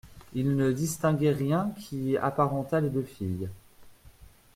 Il ne distinguait rien qui apparentât les deux filles.